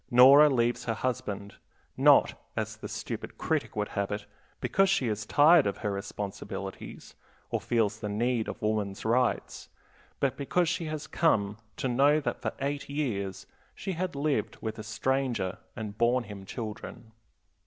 Nora leaves her husband, not as the stupid critic would have it because she is tired of her responsibilities or feels the need of woman's rights, but because she has come to know that for eight years she had lived with a stranger and borne him children.